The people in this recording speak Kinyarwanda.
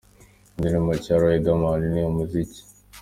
Indirimbo nshya ya Riderman ni Umuziki.